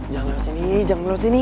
jangan lewat sini jangan lewat sini